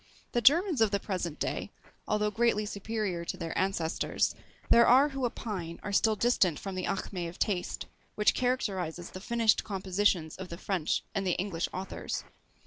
The Germans of the present day, although greatly superior to their ancestors, there are who opine are still distant from the acmé of TASTE, which characterises the finished compositions of the French and the English authors.